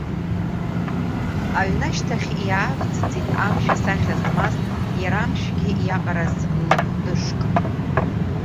Аҩны ашьҭахь иаавҵит, амшә асахьа змаз, иара амшәгьы иаҟараз ла хәдышк.